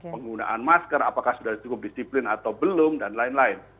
penggunaan masker apakah sudah cukup disiplin atau belum dan lain lain